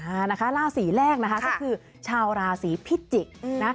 อ่านะคะราศีแรกนะคะก็คือชาวราศีพิจิกษ์นะคะ